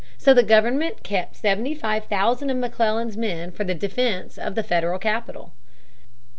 So the government kept seventy five thousand of McClellan's men for the defense of the Federal capital.